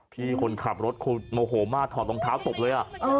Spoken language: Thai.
พี่คนขับรถโง่โหมากถอดต้องเท้าตบเลย